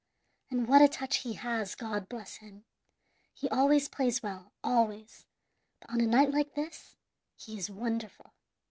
And what a touch he has, God bless him! He always plays well, always; but on a night like this he is wonderful.